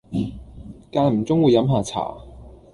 間唔中會飲吓茶